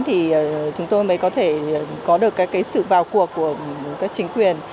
thì chúng tôi mới có thể có được cái sự vào cuộc của các chính quyền